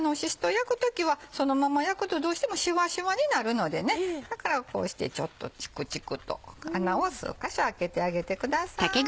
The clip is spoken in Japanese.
焼く時はそのまま焼くとどうしてもシワシワになるのでだからこうしてちょっとチクチクと穴を数か所開けてあげてください。